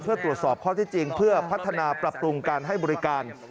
เพื่อตรวจสอบข้อที่จริงเพื่อพัฒนาปรับปรุงการให้บริการ